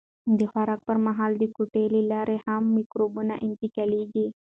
د خوراک پر مهال د ګوتو له لارې هم مکروبونه انتقالېږي.